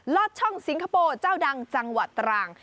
อดช่องสิงคโปร์เจ้าดังจังหวัดตรัง